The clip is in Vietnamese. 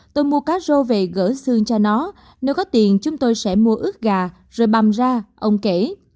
tôi mua cá rô về gỡ xương cho nó nếu có tiền chúng tôi sẽ mua ước gà rồi bầm ra ông kể